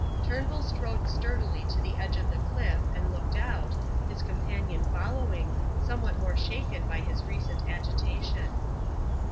Turnbull strode sturdily to the edge of the cliff and looked out, his companion following, somewhat more shaken by his recent agitation.